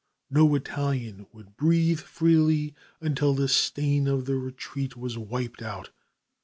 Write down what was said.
No Italian would breathe freely until the stain of the retreat was wiped out.